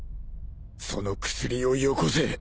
その薬をよこせ。